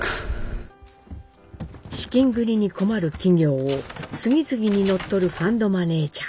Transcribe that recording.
資金繰りに困る企業を次々に乗っ取るファンドマネージャー。